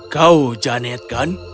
kau janet kan